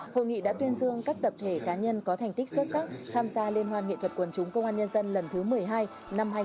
hội nghị đã tuyên dương các tập thể cá nhân có thành tích xuất sắc tham gia liên hoan nghệ thuật quần chúng công an nhân dân lần thứ một mươi hai năm hai nghìn hai mươi ba